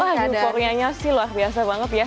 wah yuk koreanya sih luar biasa banget ya